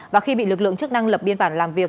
và khi bị lực lượng chức năng lập biên bản làm việc